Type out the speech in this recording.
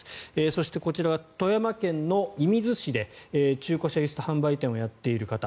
そして、こちらは富山県射水市で中古車輸出販売店をやっている方。